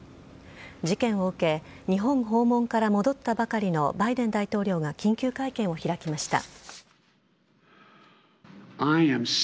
事件を受け日本訪問から戻ったばかりのバイデン大統領が緊急会見を開きました。